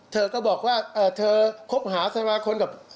เธอก็บอกว่าเธอคบหาสมาคมกับ